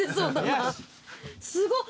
すごっ。